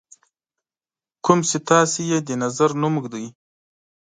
کوم چې تاسو یې د نظر نوم ږدئ.